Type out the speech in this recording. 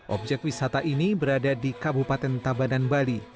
objek wisata ini berada di kabupaten tabanan bali